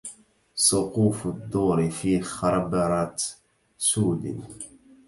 سقوف الدور في خربرت سود